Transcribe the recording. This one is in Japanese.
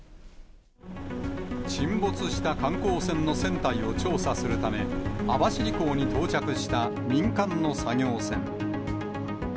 沈没した観光船の船体を調査するため、網走港に到着した民間の作業船。